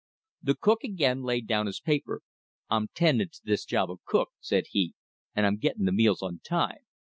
The cook again laid down his paper. "I'm tending to this job of cook," said he, "and I'm getting the meals on time.